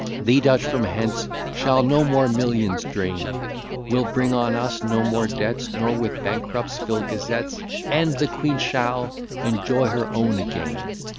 _ The Dutch from hence shall no more millions drain: We'll bring on us no more debts, Nor with bankrupts fill gazettes; "And the Queen shall enjoy her own again."